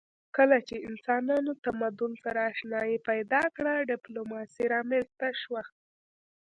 کله چې انسانانو تمدن سره آشنايي پیدا کړه ډیپلوماسي رامنځته شوه